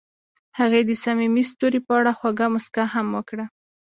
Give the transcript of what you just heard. هغې د صمیمي ستوري په اړه خوږه موسکا هم وکړه.